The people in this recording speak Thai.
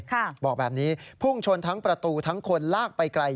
บอกแบบนี้พุ่งชนทั้งประตูทั้งคนลากไปไกล